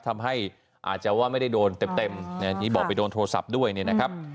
ทำให้อาจจะว่าไม่ได้โดนเต็มบอกไปโดนโทรศัพท์ด้วยนะครับ